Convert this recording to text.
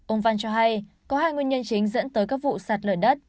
ông văn cho hay có hai nguyên nhân chính dẫn tới các vụ sạt lở đất